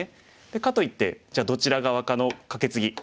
かといってじゃあどちら側かのカケツギ。